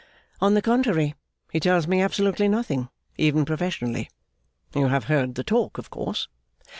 'On the contrary, he tells me absolutely nothing, even professionally. You have heard the talk, of course?